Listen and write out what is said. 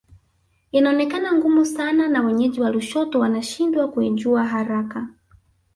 Inaonekana ngumu sana na wenyeji wa Lushoto wanashindwa kuijua haraka